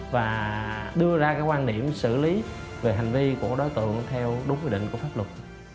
và đưa ra quan điểm xử lý về hành vi của đối tượng theo đúng quy định của pháp luật